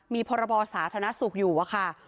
มีพรบสาธารณสุขอยู่อะค่ะ